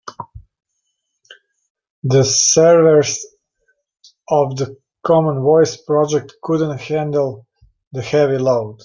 The servers of the common voice project couldn't handle the heavy load.